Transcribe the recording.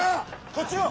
こっちを！